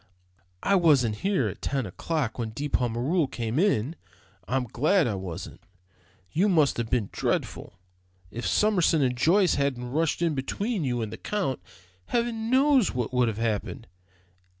I wasn't here at ten o'clock when De Pommereul came in. I'm glad I wasn't. You must have been dreadful. If Summerson and Joyce hadn't rushed in between you and the Count, heaven knows what would have happened.